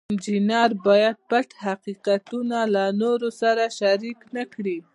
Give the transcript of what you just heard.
انجینر باید پټ حقیقتونه له نورو سره شریک نکړي.